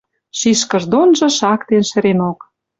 Шишкыш донжы шактен шӹренок.